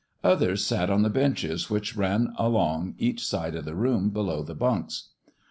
Others sat on the benches which ran along each side of the room below the bunks.